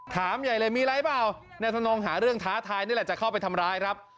ใหญ่เลยมีอะไรเปล่านายธนองหาเรื่องท้าทายนี่แหละจะเข้าไปทำร้ายครับ